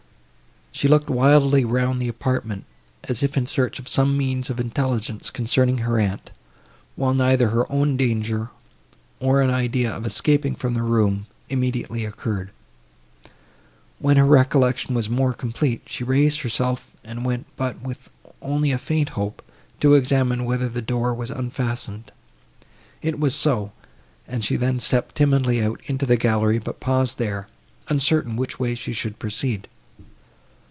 She looked wildly round the apartment, as if in search of some means of intelligence, concerning her aunt, while neither her own danger, nor an idea of escaping from the room, immediately occurred. When her recollection was more complete, she raised herself and went, but with only a faint hope, to examine whether the door was unfastened. It was so, and she then stepped timidly out into the gallery, but paused there, uncertain which way she should proceed.